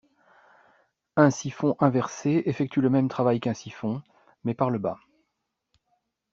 Un siphon inversé effectue le même travail qu’un siphon, mais par le bas.